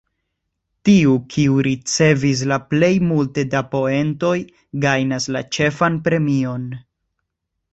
Tiu, kiu ricevis plej multe da poentoj, gajnas la ĉefan premion.